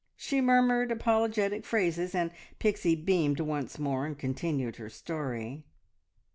She murmured apologetic phrases, and Pixie beamed once more and continued her story.